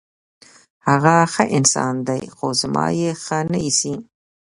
هغه ښه انسان دی، خو زما یې ښه نه ایسي.